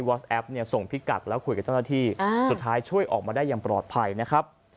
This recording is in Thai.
อสแอปเนี่ยส่งพิกัดแล้วคุยกับเจ้าหน้าที่สุดท้ายช่วยออกมาได้อย่างปลอดภัยนะครับ